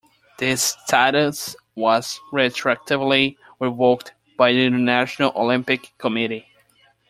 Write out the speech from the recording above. This status was retroactively revoked by the International Olympic Committee.